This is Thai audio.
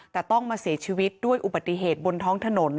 แต่ต้องมาเสียชีวิตด้วยอุบัติเหตุบนท้องถนน